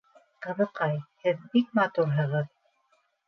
Ҡыҙыҡай, һеҙ бик матурһығыҙ!